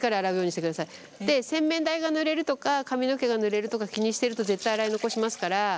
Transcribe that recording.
洗面台がぬれるとか髪の毛がぬれるとか気にしてると絶対洗い残しますから。